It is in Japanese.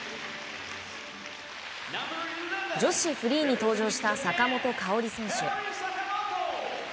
女子フリーに登場した坂本花織選手。